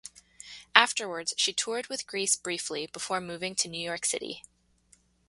Afterwards, she toured with "Grease" briefly before moving to New York City.